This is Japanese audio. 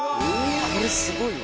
これすごいわ。